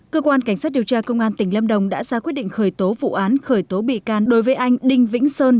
cơ quan cảnh sát điều tra công an tỉnh lâm đồng đã ra quyết định khởi tố vụ án khởi tố bị can đối với anh đinh vĩnh sơn